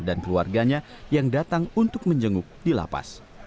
dan keluarganya yang datang untuk menjenguk di lapas